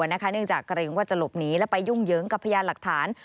เนื่องจากเกรงว่าจะหลบหนีและไปยุ่งเหยิงกับพยานหลักฐาน